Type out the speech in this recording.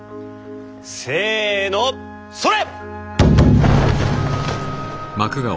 せのそれ！